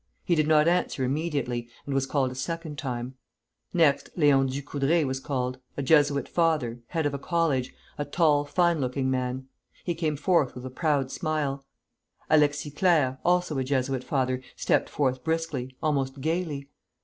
He did not answer immediately, and was called a second time. Next, Léon Ducoudray was called, a Jesuit father, head of a college, a tall, fine looking man. He came forth with a proud smile. Alexis Clerc, also a Jesuit father, stepped forth briskly, almost gayly.